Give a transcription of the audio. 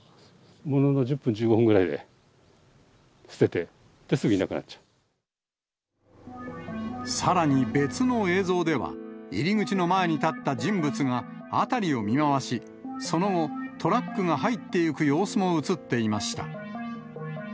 ものの１０分、１５分ぐらいで捨てて、で、さらに別の映像では、入り口の前に立った人物が、辺りを見回し、その後、トラックが入っていく様子も写っていました。